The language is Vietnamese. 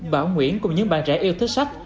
bảo nguyễn cùng những bạn trẻ yêu thích sách